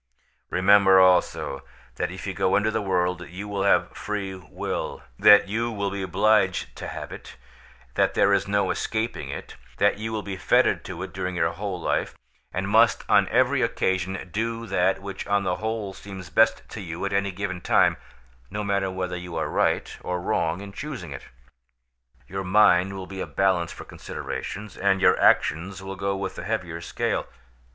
"Remember also, that if you go into the world you will have free will; that you will be obliged to have it; that there is no escaping it; that you will be fettered to it during your whole life, and must on every occasion do that which on the whole seems best to you at any given time, no matter whether you are right or wrong in choosing it. Your mind will be a balance for considerations, and your action will go with the heavier scale.